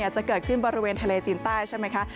จะเกิดขึ้นบริเวณทะเลจีนใต้ใช่ไหมคะ